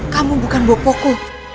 kamu bukan bopo ku